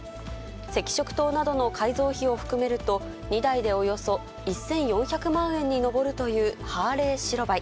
赤色灯などの改造費を含めると、２台でおよそ１４００万円に上るというハーレー白バイ。